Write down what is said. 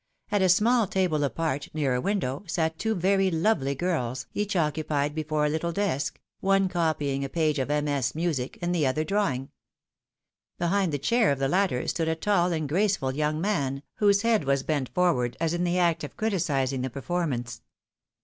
At a small table apart, near a window, sat two very lovely girls, each occupied before a little desk, one copying a page of MS. music, and the other drawing. Behind the chair of the latter stood a tall and graceful young man, whose head was bent forward as in the act of criticising the performance.